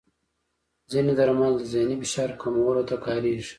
ځینې درمل د ذهني فشار کمولو ته کارېږي.